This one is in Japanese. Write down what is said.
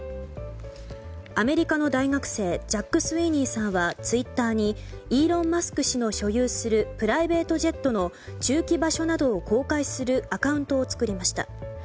アメリカの大学生ジャック・スウィーニーさんはツイッターにイーロン・マスク氏の所有するプライベートジェットの駐機場所などを公開するアカウントを作りました。